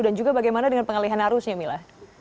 dan juga bagaimana dengan pengalihan arusnya mila